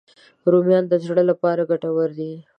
رومیان د زړه لپاره ګټور دي